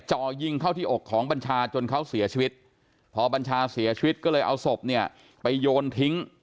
จ่อยิงเข้าที่อกของบัญชาจนเขาเสียชีวิตพอบัญชาเสียชีวิตก็เลยเอาศพเนี่ยไปโยนทิ้ง